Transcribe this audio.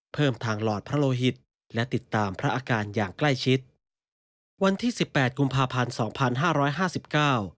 เพิ่มทางหลอดพระโลหิตและติดตามพระอาการอย่างใกล้ชิดวันที่สิบแปดกุมภาพันธ์สองพันห้าร้อยห้าสิบเก้า